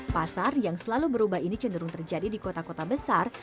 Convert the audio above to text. pasar yang selalu berubah ini cenderung terjadi di kota kota besar